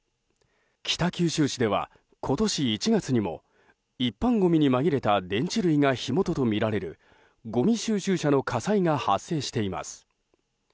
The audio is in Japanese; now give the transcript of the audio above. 北九州市では今年１月にも一般ごみに紛れた電池類が火元とみられるごみ収集車の火災が発生しています。